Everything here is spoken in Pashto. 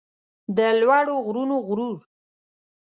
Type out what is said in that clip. د لوړو غرونو غرور